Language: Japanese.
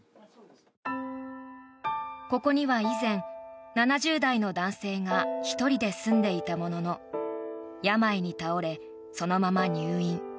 ここには以前、７０代の男性が１人で住んでいたものの病に倒れ、そのまま入院。